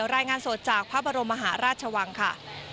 รายงานสดจากพระบรมมหาราชวังค่ะ